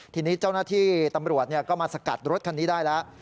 ทีนี้เจ้าหน้าที่ตำรวจก็มาสกัดรถคันนี้ได้แล้ว